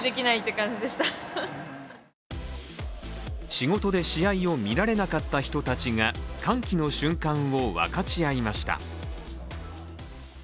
仕事で試合を見られなかった人たちが歓喜の瞬間を分かち合いました。